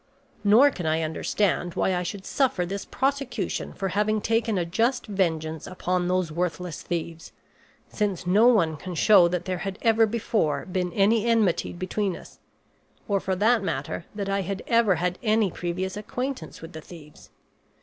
Nor can I understand why I should suffer this prosecution for having taken a just vengeance upon those worthless thieves, since no one can show that there had ever before been any enmity between us, or for that matter that I had ever had any previous acquaintance with the thieves.